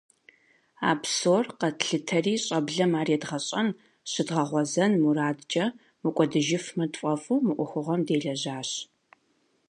А псор къэтлъытэри, щӏэблэм ар едгъэщӏэн, щыдгъэгъуэзэн мурадкӏэ, мыкӏуэдыжмэ тфӏэфӏу, мы ӏуэхугъуэм делэжьащ.